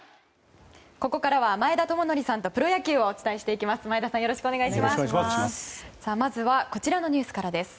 ここからは前田智徳さんとプロ野球をお伝えしていきます。